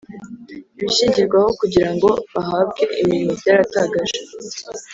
Ibishingirwaho kugira ngo bahabwe imirimo byaratagaje